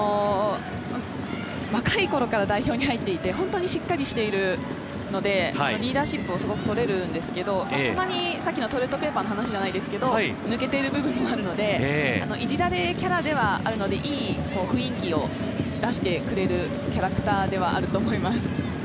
若いころから代表に入っていて本当にしっかりしているので、リーダーシップを取れるんですけれど、たまに抜けている部分もあるので、いじられキャラではあるので、いい雰囲気を出してくれるキャラクターではあると思います。